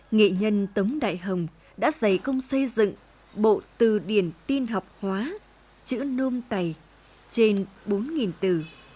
nghệ nhân tống đại hồng đã dày công xây dựng bộ từ điển tin học hóa chữ nôm tày trên bốn từ